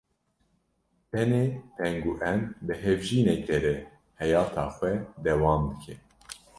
tenê pengûen bi hevjînekê re heyeta xwe dewam dike.